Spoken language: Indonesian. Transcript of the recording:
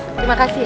terima kasih ya